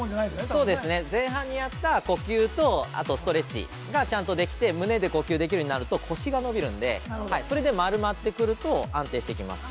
◆そうですね、前半にやった呼吸とあとストレッチができて、胸で呼吸ができるようになると腰が伸びるので持ってくると安定してきます。